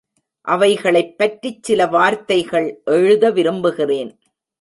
அவைகளைப் பற்றிச் சில வார்த்தைகள் எழுத விரும்புகிறேன்.